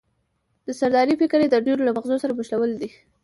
د سردارۍ فکر یې د ډېرو له مغزو سره مښلولی دی.